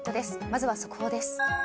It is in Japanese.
まずは速報です。